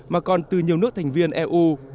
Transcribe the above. mà còn từ nhiều nước thành viên eu